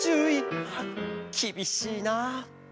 きびしいな！